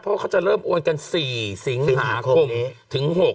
เพราะเขาจะเริ่มโอนกัน๔สิงหาคมถึง๖